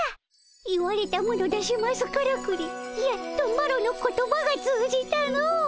言われたもの出しますからくりやっとマロの言葉が通じたの。